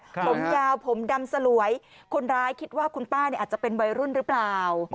ผมยาวผมดำสลวยคนร้ายคิดว่าคุณป้าเนี่ยอาจจะเป็นวัยรุ่นหรือเปล่า